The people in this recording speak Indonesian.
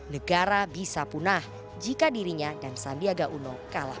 negara bisa punah jika dirinya dan sandiaga uno kalah